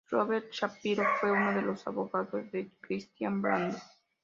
Robert Shapiro fue uno de los abogados de Christian Brando.